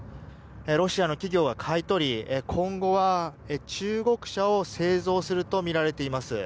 ロシアの企業が買い取り今後は中国車を製造するとみられています。